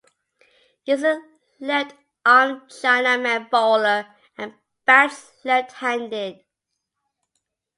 He is a left-arm chinaman bowler, and bats left-handed.